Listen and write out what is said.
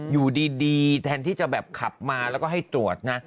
อยู่ดีแทนที่จะแบบขับมาแล้วก็ให้ตรวจนะ